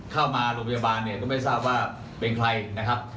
เข้ามาโรงพยาบาลเนี่ยก็ไม่ทราบว่าเป็นใครนะครับ